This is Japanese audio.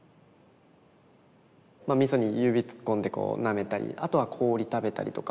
みそに指突っ込んでこうなめたりあとは氷食べたりとか。